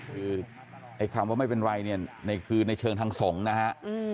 คือคำว่าไม่เป็นไรคือในเชิงทางส่งนะฮะ